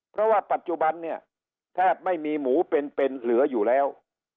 เพราะว่าปัจจุบันเนี่ยแทบไม่มีหมูเป็นเหลืออยู่แล้ว